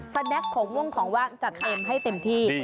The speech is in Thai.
แนคของง่วงของว่างจะเต็มให้เต็มที่